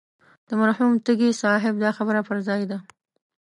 مرحوم تږي صاحب دا خبره پر ځای ده.